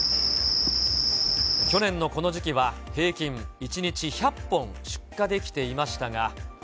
去年のこの時期は、平均１日１００本出荷できていましたが。